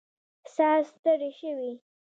ساه ستړې شوې